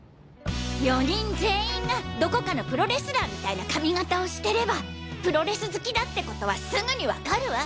４人全員がどこかのプロレスラーみたいな髪型をしてればプロレス好きだってことはすぐにわかるわ！